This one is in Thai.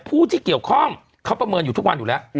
ผู้ที่เกี่ยวข้องเขาประเมินอยู่ทุกวันอยู่แล้ว